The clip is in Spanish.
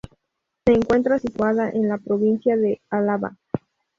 Se encuentra situada en la provincia de Álava.